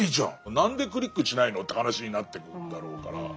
何でクリックしないのって話になってくだろうから。